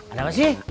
ada apa sih